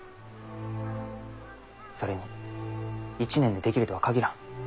それに１年でできるとは限らん。